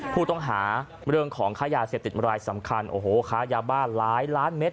ผู้ต้องหาเรื่องของค่ายาเสพติดรายสำคัญโอ้โหค้ายาบ้านหลายล้านเม็ด